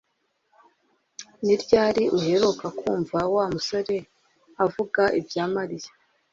Ni ryari uheruka kumva Wa musore avuga ibya Mariya?